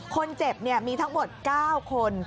คนเจ็บมีทั้งหมด๙คน